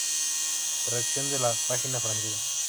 Traducción de la página francesa.